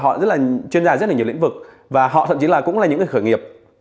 họ rất là chuyên gia rất là nhiều lĩnh vực và họ thậm chí là cũng là những người khởi nghiệp